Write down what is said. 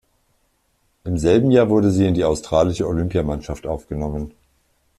Im selben Jahr wurde sie in die australische Olympiamannschaft aufgenommen.